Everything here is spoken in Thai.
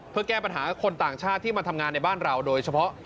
เพื่อแก้ปัญหาคนต่างชาติที่มาทำงานในบ้านเราโดยเฉพาะ